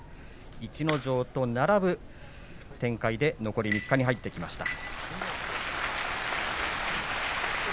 逸ノ城と並ぶ展開で残り３日に入ってきました。